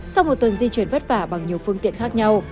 sau một tuần di chuyển vất vả bằng nhiều phương tiện khác nhau